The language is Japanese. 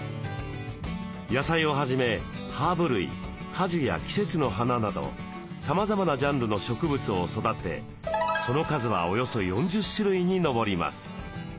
野菜をはじめハーブ類果樹や季節の花などさまざまなジャンルの植物を育てその数はおよそ４０種類に上ります。